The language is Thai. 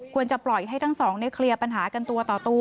ควรจะปล่อยให้ทั้งสองเคลียร์ปัญหากันตัวต่อตัว